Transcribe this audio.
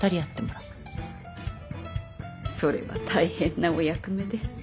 それは大変なお役目で。